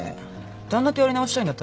旦那とやり直したいんだったらさ